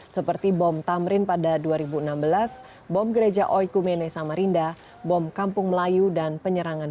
seperti bom tamrin pada dua ribu enam belas bom gereja oikumene samarinda bom kampung melayu dan penyerangan